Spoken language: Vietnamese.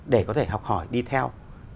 để có thể học hỏi đi theo